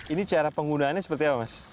ini cara penggunaannya seperti apa mas